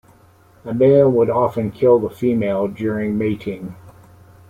A male would often kill the female during mating.